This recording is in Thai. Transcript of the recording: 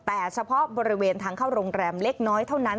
แต่เฉพาะบริเวณทางเข้าโรงแรมเล็กน้อยเท่านั้น